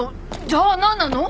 じゃあなんなの？